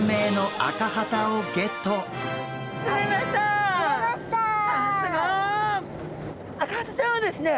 アカハタちゃんはですね